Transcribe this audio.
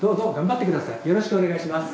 よろしくお願いします。